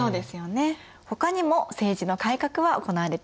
ほかにも政治の改革は行われていくんですよ。